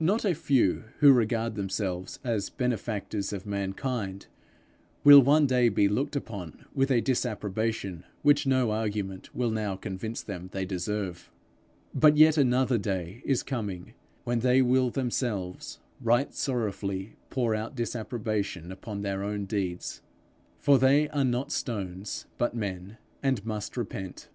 Not a few who now regard themselves as benefactors of mankind, will one day be looked upon with a disapprobation which no argument will now convince them they deserve. But yet another day is coming, when they will themselves right sorrowfully pour out disapprobation upon their own deeds; for they are not stones but men, and must repent.